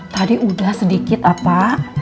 tadi udah sedikit apa